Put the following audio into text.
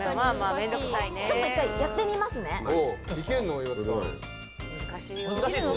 ちょっと一回、やってみますできるの？